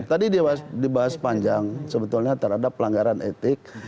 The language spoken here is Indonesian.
tadi dibahas panjang sebetulnya terhadap pelanggaran etik